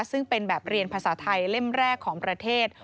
ซึ่งเป็นแบบเรียนภาษาไทยเล่มแรกของประเทศ